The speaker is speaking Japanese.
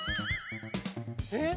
えっ。